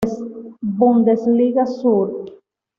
Bundesliga Sur.